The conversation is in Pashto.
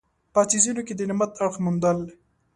په څیزونو کې د نعمت اړخ موندل.